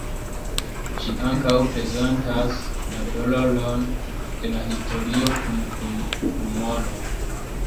Ĝi ankaŭ prezentas la doloron de la historio kun humoro.